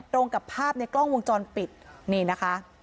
ตรงกับภาพในกล้องวงจรปิดนี่นะคะ